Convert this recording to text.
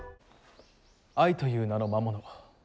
愛という名の魔物。